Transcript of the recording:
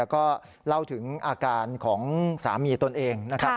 ก็เล่าถึงอาการของสามีตนเองนะครับ